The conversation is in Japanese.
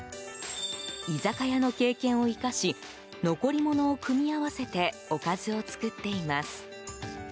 居酒屋の経験を生かし残り物を組み合わせておかずを作っています。